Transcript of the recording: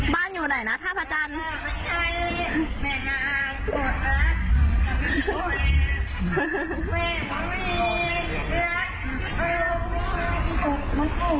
อยู่ไหนนะท่าพระจันทร์